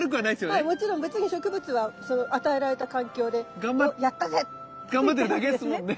まあもちろん別に植物はその与えられた環境で「おっ！やったぜ」って。頑張ってるだけですもんね。